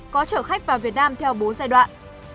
có chở khách vào việt nam theo bốn giai đoạn